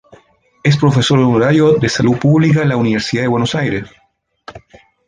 Es profesor honorario de Salud Pública en la Universidad de Buenos Aires.